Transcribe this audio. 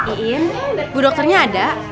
iin bu dokternya ada